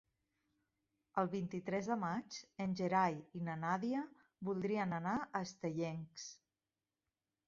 El vint-i-tres de maig en Gerai i na Nàdia voldrien anar a Estellencs.